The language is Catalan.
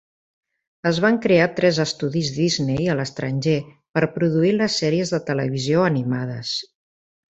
Es van crear tres estudis Disney a l'estranger per produir les sèries de televisió animades.